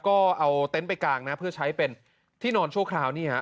ก็เอาเต็นต์ไปกางนะเพื่อใช้เป็นที่นอนชั่วคราวนี่ฮะ